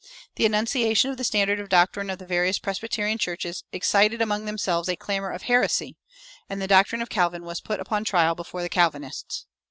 The enunciation of the standard doctrine of the various Presbyterian churches excited among themselves a clamor of "Heresy!" and the doctrine of Calvin was put upon trial before the Calvinists.